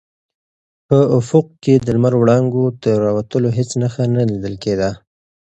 په افق کې د لمر وړانګو د راوتلو هېڅ نښه نه لیدل کېده.